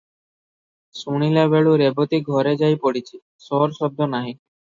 ଶୁଣିଲା ବେଳୁ ରେବତୀ ଘରେ ଯାଇ ପଡ଼ିଛି, ସୋର ଶବ୍ଦ ନାହିଁ ।